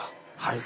はい